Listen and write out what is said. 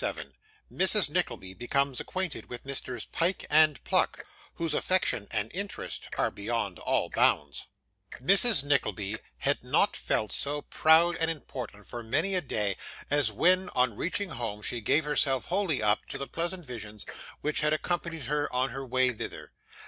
CHAPTER 27 Mrs. Nickleby becomes acquainted with Messrs Pyke and Pluck, whose Affection and Interest are beyond all Bounds Mrs. Nickleby had not felt so proud and important for many a day, as when, on reaching home, she gave herself wholly up to the pleasant visions which had accompanied her on her way thither.